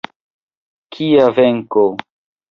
Kia venko.